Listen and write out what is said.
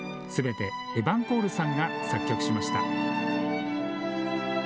すべてエバン・コールさんが作曲しました。